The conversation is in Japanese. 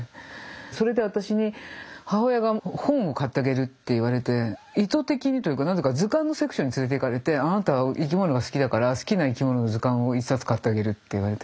それで私に母親が本を買ってあげるって言われて意図的にというかなぜか図鑑のセクションに連れていかれて「あなたは生き物が好きだから好きな生き物の図鑑を一冊買ってあげる」って言われて。